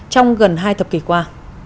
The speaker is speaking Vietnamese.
trong gần hai thập kỷ qua